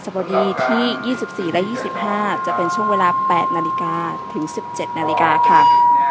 พอดีที่๒๔และ๒๕จะเป็นช่วงเวลา๘นาฬิกาถึง๑๗นาฬิกาค่ะ